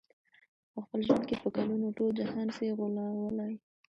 په خپل ژوند کي په کلونو، ټول جهان سې غولولای